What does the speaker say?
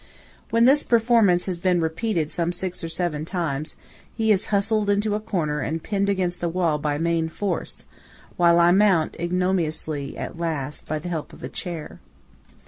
When this performance has been repeated some six or seven times, he is hustled into a corner and pinned against the wall by main force, while I mount ignominiously at last by the help of a chair.